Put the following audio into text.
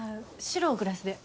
白をグラスで。